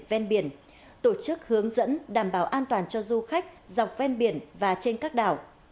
ven biển tổ chức hướng dẫn đảm bảo an toàn cho du khách dọc ven biển và trên các đảo